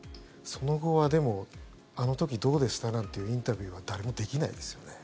その後は、でもあの時どうでした？なんていうインタビューは誰もできないですよね。